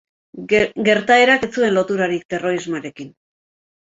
Gertaerak ez zuen loturarik terrorismoarekin.